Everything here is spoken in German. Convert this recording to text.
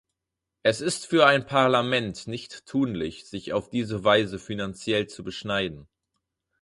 Es ist für ein Parlament nicht tunlich, sich auf diese Weise finanziell zu beschneiden.